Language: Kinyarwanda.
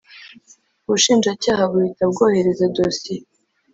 Ubushinjacyaha buhita bwohereza dosiye